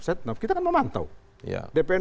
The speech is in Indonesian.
setnov kita kan memantau dpn